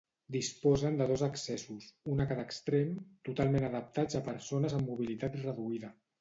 Disposen de dos accessos, un a cada extrem, totalment adaptats a persones amb mobilitat reduïda.